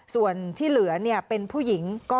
ส่วนที่เหลือเป็นผู้หญิง